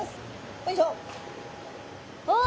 よいしょ。